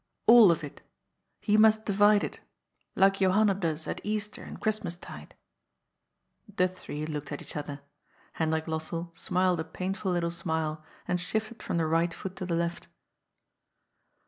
All of it. He must divide it. Like Johanna does at Easter and Christmas tide." The three looked at each other. Hendrik Lossell smiled a painful little smile, and shifted from the right foot to the left.